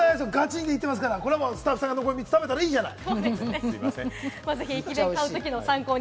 ガチで言ってますから、スタッフさんが残り３つ食べたらいいじゃない。